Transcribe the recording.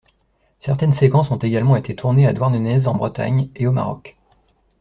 Certaines séquences ont également été tournées à Douarnenez en Bretagne et au Maroc.